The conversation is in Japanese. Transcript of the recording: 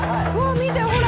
見てほら。